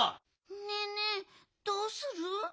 ねえねえどうする？